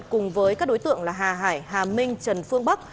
cùng với các đối tượng là hà hải hà minh trần phương bắc